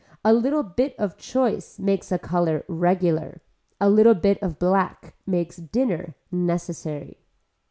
A little bit of choice makes a color regular. A little bit of black makes dinner necessary.